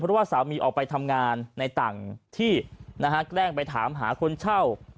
เพราะว่าสามีออกไปทำงานในต่างที่นะฮะแกล้งไปถามหาคนเช่า